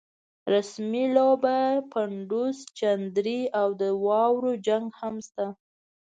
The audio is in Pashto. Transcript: رسمۍ لوبه، پډوس، چندرۍ او د واورو جنګ هم شته.